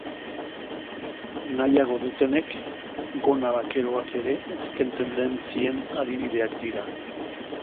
Nahiago dutenek, gona bakeroak ere azken tendentzien adibideak dira.